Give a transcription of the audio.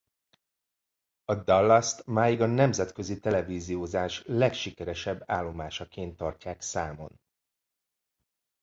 A Dallast máig a nemzetközi televíziózás legsikeresebb állomásaként tartják számon.